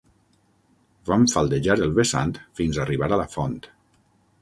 Vam faldejar el vessant fins arribar a la font.